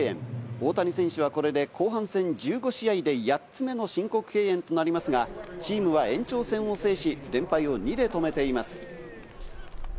大谷選手はこれで後半戦１５試合で８つ目の申告敬遠となりますが、チームは延長戦を制し、連敗を２で止めています。